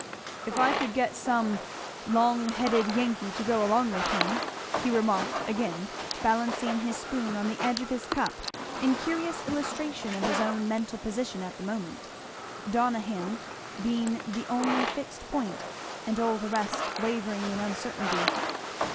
"If I could get some long headed Yankee to go along with him" he remarked again, balancing his spoon on the edge of his cup in curious illustration of his own mental position at the moment; Donohan being the only fixed point and all the rest wavering in uncertainty.